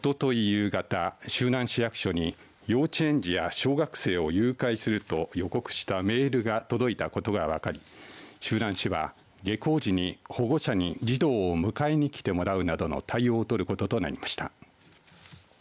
夕方、周南市役所に幼稚園児や小学生を誘拐すると予告したメールが届いたことが分かり周南市は下校時に保護者に児童を迎えに来てもらうなどの対応を取ることとなりました。